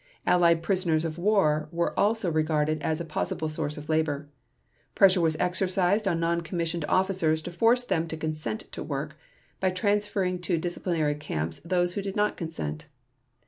Allied prisoners of war were also regarded as a possible source of labor. Pressure was exercised on non commissioned officers to force them to consent to work, by transferring to disciplinary camps those who did not consent.